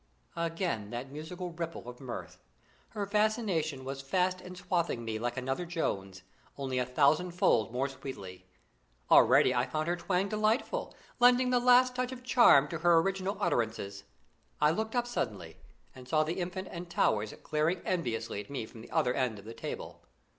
Again that musical ripple of mirth. Her fascination was fast enswathing me like another Jones, only a thousandfold more sweetly. Already I found her twang delightful, lending the last touch of charm to her original utterances. I looked up suddenly, and saw the Infant and Towers glaring enviously at me from the other end of the table.